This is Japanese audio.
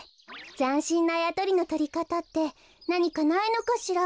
ざんしんなあやとりのとりかたってなにかないのかしら？